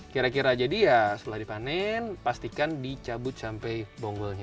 kira kira jadi ya setelah dipanen pastikan dicabut sampai selesai ya bang ya